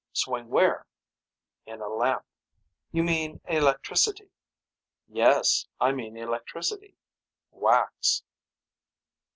Swing where. In a lamp. You mean electricity. Yes I mean electricity. Wax.